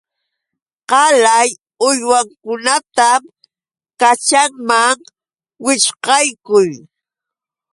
Qalay uywankunatam kaćhanman wićhqaykun.